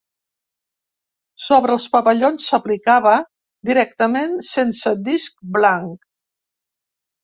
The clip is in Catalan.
Sobre els pavellons s'aplicava directament sense disc blanc.